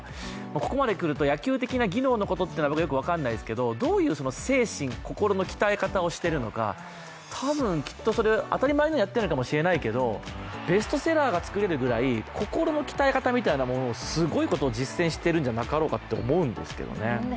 ここまでくると野球的な技能なことは僕はよく分からないですけどどういう精神、心の鍛え方をしているのかたぶん、きっと当たり前のようにやっているのかもしれないけどベストセラーが作れるくらい心の鍛え方をすごいことを実践しているんじゃなかろうかと思うんですよね。